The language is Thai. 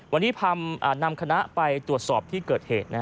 วันนี้นำคณะไปตรวจสอบที่เกิดเหตุ